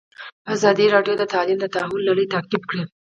ازادي راډیو د تعلیم د تحول لړۍ تعقیب کړې.